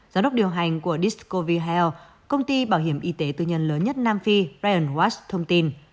giáo đốc điều hành của discovery health công ty bảo hiểm y tế tư nhân lớn nhất nam phi ryan watts thông tin